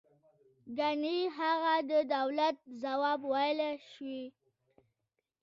گني هغه د دولت ځواب ویلای شوی.